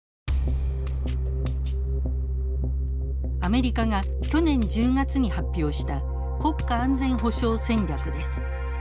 アメリカが去年１０月に発表した国家安全保障戦略です。